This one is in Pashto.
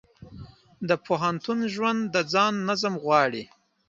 د پوهنتون ژوند د ځان نظم غواړي.